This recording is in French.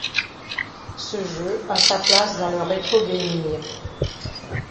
Ce jeu a sa place dans le retrogaming.